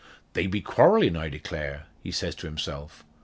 "They be quarrelling, I declare," he says to himself.